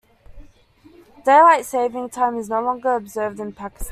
Daylight saving time is no longer observed in Pakistan.